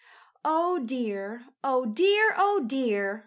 "Oh dear! Oh dear! Oh dear!"